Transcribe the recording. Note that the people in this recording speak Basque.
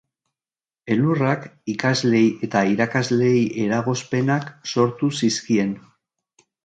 Elurrak ikasleei eta irakasleei eragozpenak sortu zizkien.